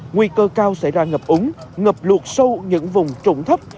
nguy cơ cao xảy ra ngập ủng ngập luộc sâu những vùng trụng thấp